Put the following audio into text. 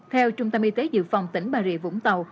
theo trung tâm y tế dự phòng tỉnh bà rịa vũng tàu